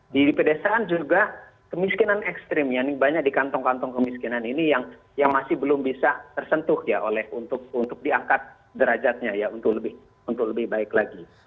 di pedesaan juga kemiskinan ekstrim yang banyak di kantong kantong kemiskinan ini yang masih belum bisa tersentuh ya untuk diangkat derajatnya ya untuk lebih baik lagi